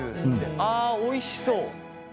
あおいしそう。